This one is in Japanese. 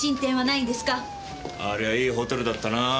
ありゃいいホテルだったなぁ。